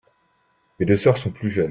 Mes deux sœurs sont plus jeunes.